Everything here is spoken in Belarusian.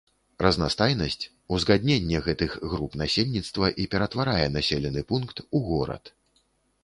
Разнастайнасць, узгадненне гэтых груп насельніцтва і ператварае населены пункт у горад.